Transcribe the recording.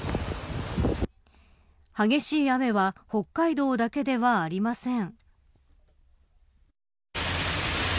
激しい雨は北海道だけではありません。